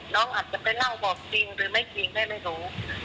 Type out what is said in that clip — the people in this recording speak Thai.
น้องอาจจะไปนั่งบอกจริงหรือไม่จริงแม่ไม่รู้